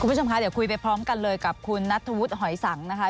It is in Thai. คุณผู้ชมคะเดี๋ยวคุยไปพร้อมกันเลยกับคุณนัทธวุฒิหอยสังนะคะ